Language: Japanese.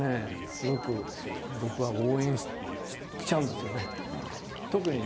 すごく僕は応援しちゃうんですよね。